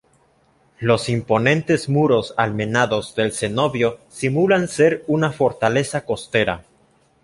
Los imponentes muros almenados del cenobio simulan ser una fortaleza costera.